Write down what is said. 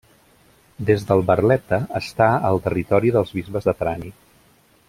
Des del Barletta està al territori dels bisbes de Trani.